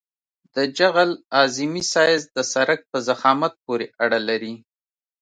د جغل اعظمي سایز د سرک په ضخامت پورې اړه لري